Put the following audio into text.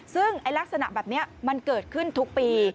ซึ่งลักษณะแบบนี้มันเกิดขึ้นทุกปี